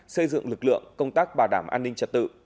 xây dựng lực lượng công tác bảo đảm an ninh trật tự